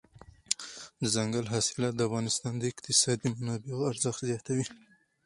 دځنګل حاصلات د افغانستان د اقتصادي منابعو ارزښت زیاتوي.